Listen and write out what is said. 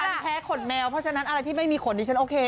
แพ้ขนแมวเพราะฉะนั้นอะไรที่ไม่มีขนดิฉันโอเค